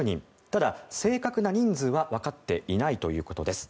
ただ、正確な人数は分かっていないということです。